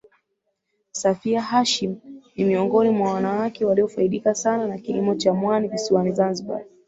Safia Hashim ni miongoni mwa wanawake waliofaidika sana na kilimo cha mwani visiwani Zanzibar